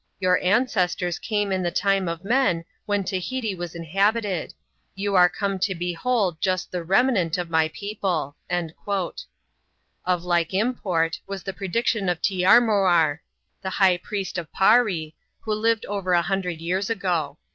Your ancestors came in the time of men, when Tahiti was inhabited : you are come to behold just the remnant of my people." Of like import, was the prediction of Teearmoar, the high priest of Paree, who lived over a hundred years ago.